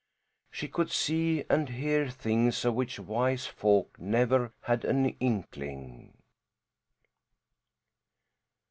She could see and hear things of which wise folk never had an inkling.